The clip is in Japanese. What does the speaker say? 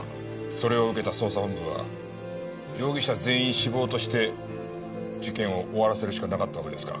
それを受けた捜査本部は容疑者全員死亡として事件を終わらせるしかなかったわけですか。